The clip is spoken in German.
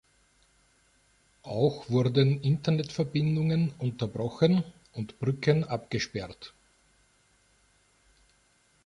Auch wurden Internetverbindungen unterbrochen und Brücken abgesperrt.